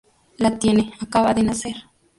La tiene; acaba de nacer.